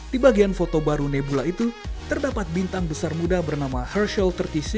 di bagian foto baru nebula itu terdapat bintang besar muda bernama hershal tiga puluh enam